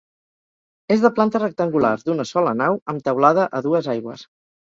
És de planta rectangular, d'una sola nau, amb teulada a dues aigües.